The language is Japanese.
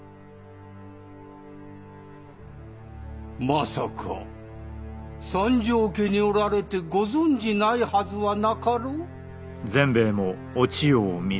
まさか三条家におられてご存じないはずはなかろう。